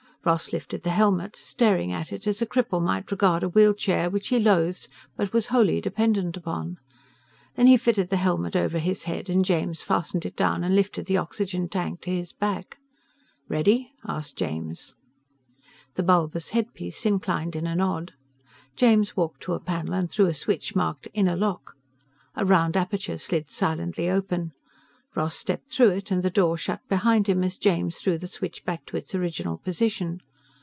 Ross lifted the helmet, staring at it as a cripple might regard a wheelchair which he loathed but was wholly dependent upon. Then he fitted the helmet over his head and James fastened it down and lifted the oxygen tank to his back. "Ready?" asked James. The bulbous headpiece inclined in a nod. James walked to a panel and threw a switch marked INNER LOCK. A round aperture slid silently open. Ross stepped through it and the door shut behind him as James threw the switch back to its original position.